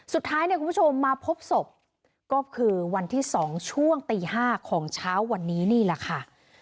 สุดท้ายเนี่ยคุณผู้ชมมาพบศพก็คือวันที่๒ช่วงตี๕ของเช้าวันนี้นี่แหละค่ะ